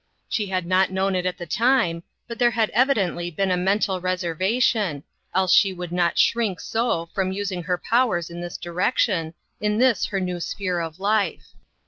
She had not known it at the time, but there had evidently been a mental reservation, else she would not shrink so from using her powers in this direction, in this her new sphere of life.